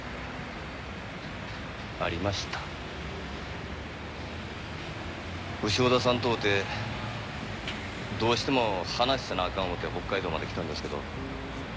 ありました潮田さんと会うてどうしても話せなあかんと思うて北海道まで来たんですけど